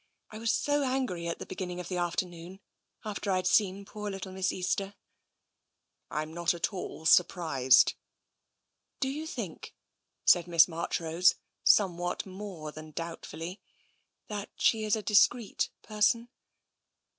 I was so angry at the beginning of the afternoon — after I'd seen poor little Miss Easter." " I'm not at all surprised." " Do you think," said Miss Marchrose, somewhat more than doubtfully, " that she is a discreet person?